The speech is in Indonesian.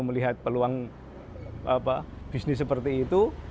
melihat peluang bisnis seperti itu